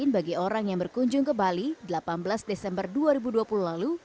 bagi orang yang berkunjung ke bali delapan belas desember dua ribu dua puluh lalu